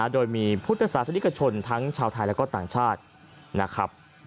โดยมีพุทธศาสนิกชนทั้งชาวไทยและก็ต่างชาตินะครับ